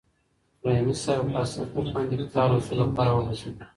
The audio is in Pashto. رحیمي صیب په پاسته کوچ باندې د کتاب لوستلو لپاره وغځېد.